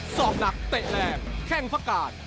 สอบหนักเตะแรงแค่งฝากกาศ